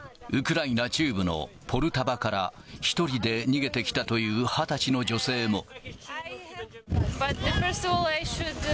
ウクライナ中部のポルタヴァから１人で逃げてきたという２０歳の女性も。